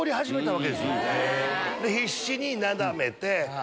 必死になだめて。